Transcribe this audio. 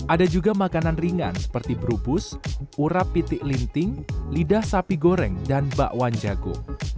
ada juga makanan ringan seperti brubus urap pitik linting lidah sapi goreng dan bakwan jagung